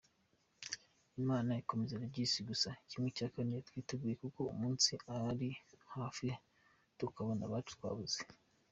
Imana ikomeze Regis Gusaï‘ ï ¼ twitegure kuko umunsi uri hafi tukabona abacu twabuze.